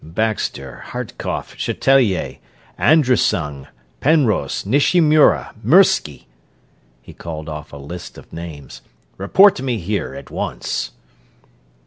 "Baxter, Hartkopf, Chatelier, Anandrusung, Penrose, Nishimura, Mirsky...." He called off a list of names. "Report to me here at once!"